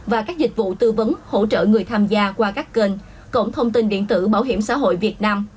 và các dịch vụ tư vấn hỗ trợ người tham gia qua các kênh cổng thông tin điện tử bảo hiểm xã hội việt nam